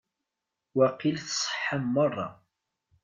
Waqil tṣeḥḥam merra.